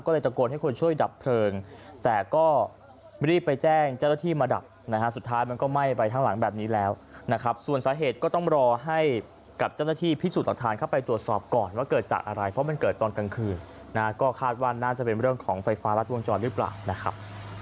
ก็เลยตะโกนให้คนช่วยดับเพลิงแต่ก็รีบไปแจ้งเจ้าหน้าที่มาดับนะฮะสุดท้ายมันก็ไหม้ไปทั้งหลังแบบนี้แล้วนะครับส่วนสาเหตุก็ต้องรอให้กับเจ้าหน้าที่พิสูจน์หลักฐานเข้าไปตรวจสอบก่อนว่าเกิดจากอะไรเพราะมันเกิดตอนกลางคืนนะฮะก็คาดว่าน่าจะเป็นเรื่องของไฟฟ้ารัดวงจรหรือเปล่านะครับ